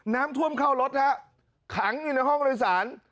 น้ำท่วมเข้ารถฮะขังอยู่ในห้องโดยสาร